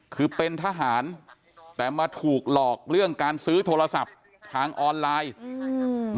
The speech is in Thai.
คือเป็นทหารแต่มาถูกหลอกเรื่องการซื้อโทรศัพท์ทางออนไลน์อืม